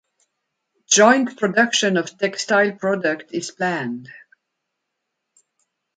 Joint production of textile products is planned.